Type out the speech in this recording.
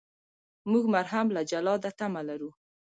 موږ مرهم له جلاده تمه لرو.